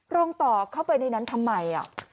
รองต่อเข้าไปในนั้นทำไม